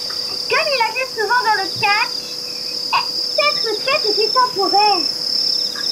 Comme il arrive souvent dans le catch, cette retraite était temporaire.